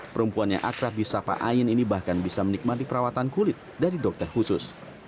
perempuannya akrabi sapa ain ini bahkan bisa menikmati perawatan kulit dari dokter khusus